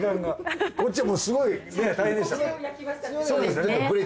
そうですよ。